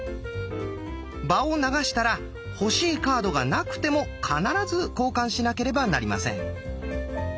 場を流したら欲しいカードがなくても必ず交換しなけければなりません。